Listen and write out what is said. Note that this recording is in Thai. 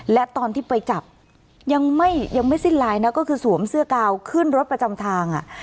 และตอนที่ไปจับยังไม่ยังไม่สิ้นลายนะก็คือสวมเสื้อกาวขึ้นรถประจำทาง